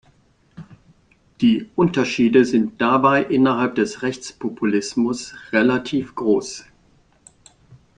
Die Unterschiede sind dabei innerhalb des Rechtspopulismus relativ groß.